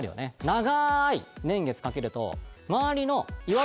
長い年月かけると。